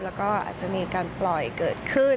แล้วก็อาจจะมีการปล่อยเกิดขึ้น